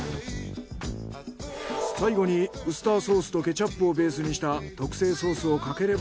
最後にウスターソースとケチャップをベースにした特製ソースをかければ出来上がり。